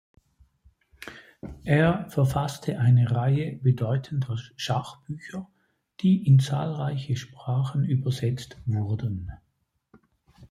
Er verfasste eine Reihe bedeutender Schachbücher, die in zahlreiche Sprachen übersetzt wurden.